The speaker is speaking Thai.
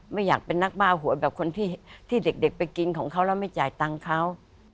ไม่อยากเป็นนักบ้าหวยแบบคนที่เด็กไปกินของเขาแล้วไม่จ่ายตังค์เขา